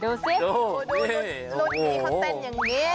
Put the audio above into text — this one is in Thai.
ดูนี่เขาเต้นอย่างนี้